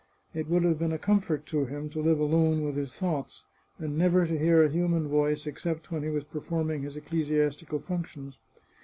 It would have been a comfort to him to live alone with his thoughts, and never to hear a human voice except when he was performing his ecclesiastical functions.